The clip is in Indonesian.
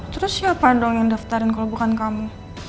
terus siapa dong yang daftarin kalau bukan kamu